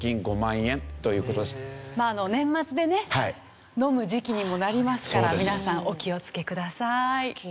年末でね飲む時期にもなりますから皆さんお気を付けください。